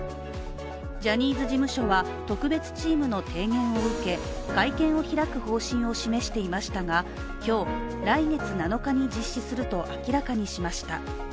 ジャニーズ事務所は特別チームの提言を受け会見を開く方針を示していましたが今日、来月７日に実施すると明らかにしました。